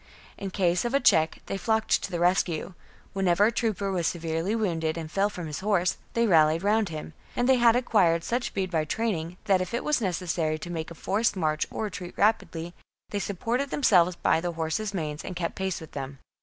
In case of a check, they flocked to the rescue ; whenever a trooper was severely wounded and fell from his horse, they rallied round him ; and they had acquired such speed by training that if it was necessary to make a forced march or retreat rapidly, they supported themselves by the horses' manes and kept pace with them.